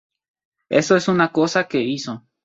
Eso es una cosa que hizo".